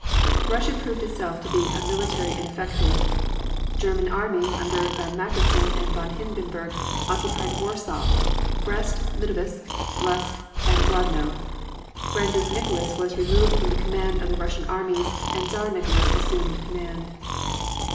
Russia proved itself to be a military ineffective. German armies under von Mackensen and von Hindenburg occupied Warsaw, Brest Litovsk, Lutsk, and Grodno. Grand Duke Nicholas was removed from the command of the Russian armies and Czar Nicholas assumed command.